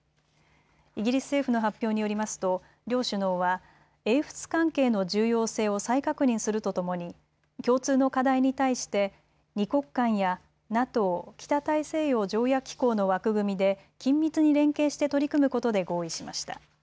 イギリス政府の発表によりますと両首脳は英仏関係の重要性を再確認するとともに共通の課題に対して２国間やＮＡＴＯ・北大西洋条約機構の枠組みで緊密に連携して取り組むことで合意しました。